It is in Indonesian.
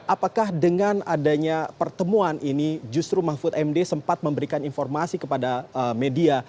apakah dengan adanya pertemuan ini justru mahfud md sempat memberikan informasi kepada media